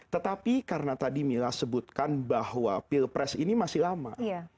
tetapi karena tadi mila sebutkan bahwa pilpres ini masih lama